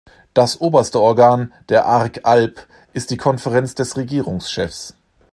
Das oberste Organ der Arge Alp ist die Konferenz der Regierungschefs.